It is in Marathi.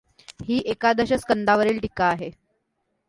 ही एकादश स्कंदावरील टीका आहे.